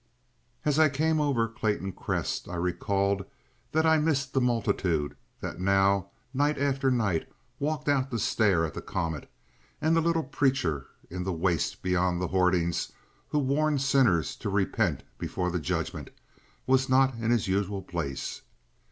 As I came over Clayton Crest I recalled that I missed the multitude that now night after night walked out to stare at the comet, and the little preacher in the waste beyond the hoardings, who warned sinners to repent before the Judgment, was not in his usual place.